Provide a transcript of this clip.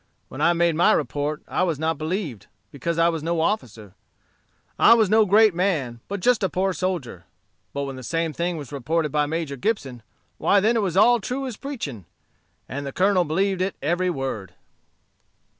When I made my report I was not believed, because I was no officer. I was no great man, but just a poor soldier. But when the same thing was reported by Major Gibson, why then it was all true as preaching, and the Colonel believed it every word."